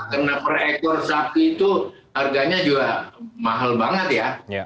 karena per ekor sapi itu harganya juga mahal banget ya